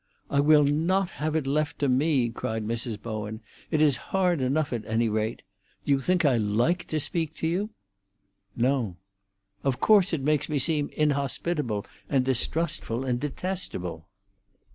"I will not have it left to me!" cried Mrs. Bowen. "It is hard enough, at any rate. Do you think I like to speak to you?" "No." "Of course it makes me seem inhospitable, and distrustful, and detestable."